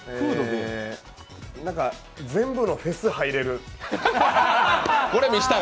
全部のフェス入れる。